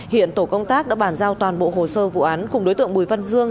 hiện tổ công tác đã bản giao toàn bộ hồ sơ vụ án cùng đối tượng bùi văn dương